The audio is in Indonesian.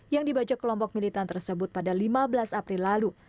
yang dibaca kelompok militan tersebut pada lima belas april lalu